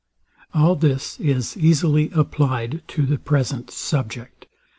All this is easily applied to the present subject.